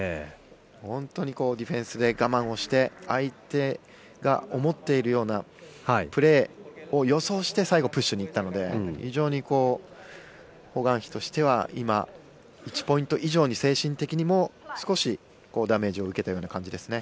本当にディフェンスで我慢をして相手が思っているようなプレーを予想して最後プッシュに行ったので非常にホ・グァンヒとしては今、１ポイント以上に精神的にも少し、ダメージを受けたような感じですね。